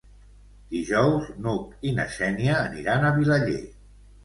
Dijous n'Hug i na Xènia aniran a Vilaller.